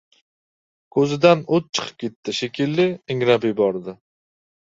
Koʻzidan oʻt chiqib ketdi, shekilli, ingrab yubordi.